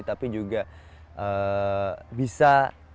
tapi juga bisa